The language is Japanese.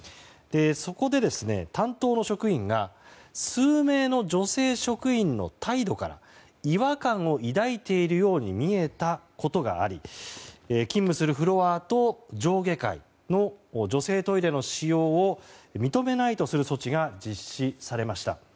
そこで、担当の職員が数名の女性職員の態度から違和感を抱いているように見えたことがあり勤務するフロアと上下階の女性トイレの使用を認めないとする措置が実施されました。